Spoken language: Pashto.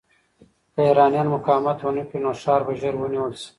که ایرانیان مقاومت ونه کړي، نو ښار به ژر نیول شي.